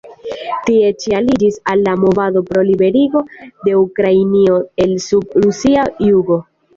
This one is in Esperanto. Tie ĉi li aliĝis al la movado pro liberigo de Ukrainio el-sub rusia jugo.